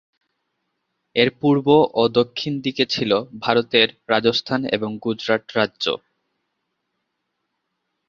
এর পূর্ব ও দক্ষিণ দিকে ছিল ভারতের রাজস্থান এবং গুজরাট রাজ্য।